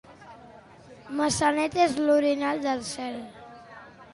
Maçanet és l'orinal del cel.